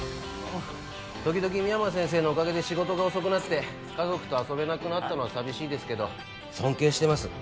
時々深山先生のおかげで仕事が遅くなって家族と遊べなくなったのは寂しいですけど尊敬してます